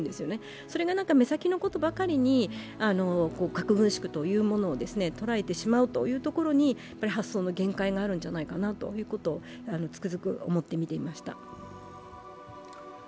それが目先のことばかりに核軍縮というものを捉えてしまうところに発想の限界があるんじゃないかなとつくづく思って見ていました。